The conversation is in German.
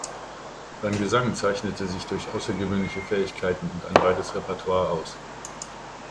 Sein Gesang zeichnete sich durch außergewöhnliche Fähigkeiten und ein weites Repertoire aus.